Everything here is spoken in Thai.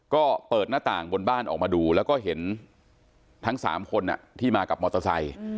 ก็เปิดหน้าต่างบนบ้านออกมาดูแล้วก็เห็นทั้ง๓คนที่มากับมอเตอร์ไซค์